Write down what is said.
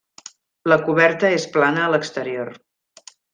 La coberta és plana a l’exterior.